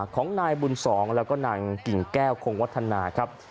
ของนายบุญสองแล้วก็นางกิ่งแก้วคงวัฒนาครับ